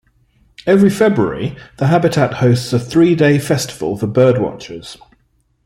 Every February, the habitat hosts a three-day festival for birdwatchers.